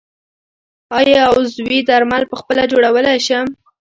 آیا عضوي درمل پخپله جوړولی شم؟